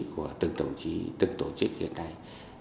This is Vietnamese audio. của từng tổ chức hiện nay